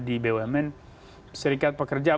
di bumn serikat pekerja